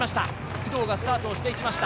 工藤がスタートしていきました。